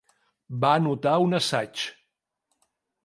Va anotar un assaig.